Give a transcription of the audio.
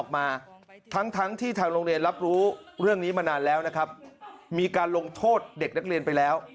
มานานแล้วนะครับมีการลงโทษเด็กนักเรียนไปแล้ว